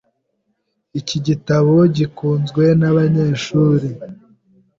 Iki gitabo gikunzwe nabanyeshuri.